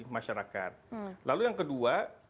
masyarakat lalu yang kedua